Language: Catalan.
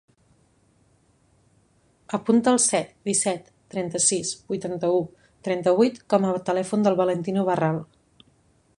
Apunta el set, disset, trenta-sis, vuitanta-u, trenta-vuit com a telèfon del Valentino Barral.